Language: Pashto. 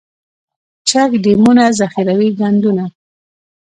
چک ډیمونه، ذخیروي بندونه.